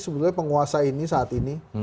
sebenarnya penguasa ini saat ini